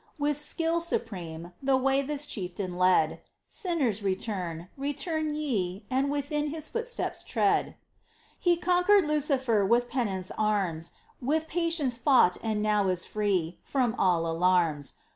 With skill supreme, the way This chieftain led, — Sinners, return, return ye, and within His footsteps tread ! 54 MINOR WORKS OF ST. TERESA, He conquered Lucifer With penance' arms, With patience fought and now is free From all alarms.